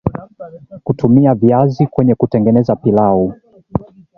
Kutumia viazi na weka kwenye kutengeneza pilau